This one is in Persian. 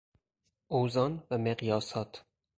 اوزان و مقیاسات